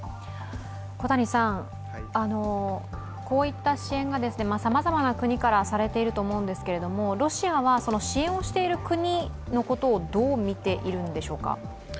こういった支援がさまざまな国からされていると思うんですけどロシアは支援をしている国のことをどう見ているんでしょうか？